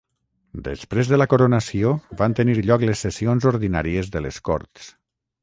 Després de la coronació van tenir lloc les sessions ordinàries de les Corts.